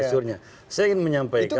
saya ingin menyampaikan